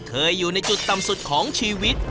เคยอยู่ในจุดต่ำสุดของชีวิต